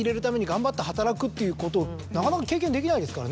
なかなか経験できないですからね。